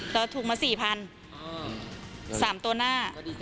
แล้วถูกมา๔๐๐๐สามตัวหน้า